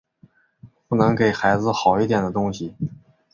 不能给孩子好一点的东西